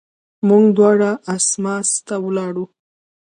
موږ دواړه اسماس ته ولاړو.